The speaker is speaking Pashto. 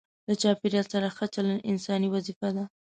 له چاپیریال سره ښه چلند انساني وظیفه ده.